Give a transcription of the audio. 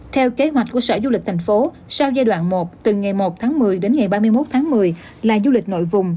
theo kế hoạch của sở du lịch thành phố sau giai đoạn một từ ngày một tháng một mươi đến ngày ba mươi một tháng một mươi là du lịch nội vùng